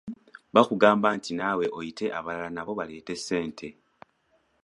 Bakugamba nti naawe oyite abalala nabo baleete ssente.